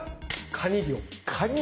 カニ漁？